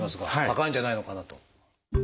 高いんじゃないのかなと。